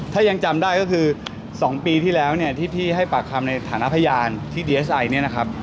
ถ้ายังจำได้ก็คือ๒ปีที่แล้วเนี่ยที่พี่ให้ปากคำในฐานะพยานที่ดีเอสไอเนี่ยนะครับ